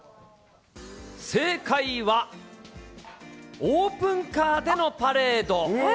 正解は、オープンカーでのパレード。